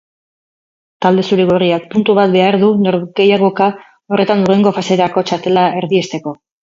Talde zuri-gorriak puntu bat behar du norgehiagoka horretan hurrengo faserako txartela erdiesteko.